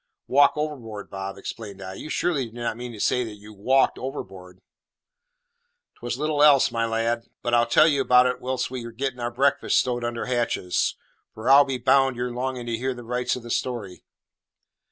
"Walk overboard, Bob!" exclaimed I. "You surely do not mean to say you walked overboard?" "'Twas little else, my lad. But I'll tell ye all about it whilst we're getting our breakfast stowed under hatches; for I'll be bound you're longing to hear the rights of the story."